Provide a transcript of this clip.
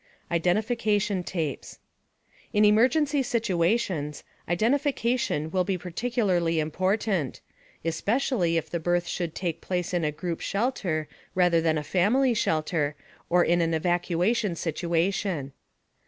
IDENTIFICATION TAPES In emergency situations, identification will be particularly important, especially if the birth should take place in a group shelter rather than a family shelter, or in an evacuation situation.